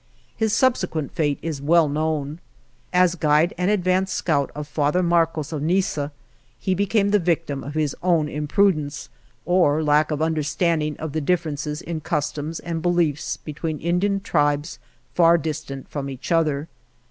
His subsequent fate is well known. As guide and advance scout of Father Marcos, of Nizza, he became the victim of his own imprudence, or lafck of understanding of the differences in customs and beliefs be tween Indian tribes far distant from each other.